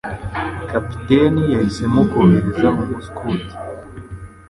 Kapiteni yahisemo kohereza umuskuti.